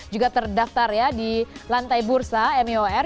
juga terdaftar ya di lantai bursa mor